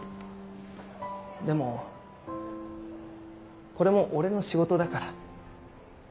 でもこれも俺の仕事だから。